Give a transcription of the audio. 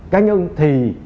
cá nhân thì